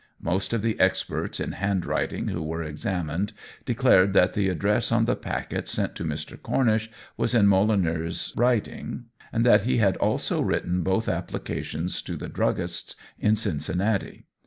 Most of the experts in handwriting who were examined declared that the address on the packet sent to Mr. Cornish was in Molineux's writing, and that he had also written both applications to the druggists in Cincinnati.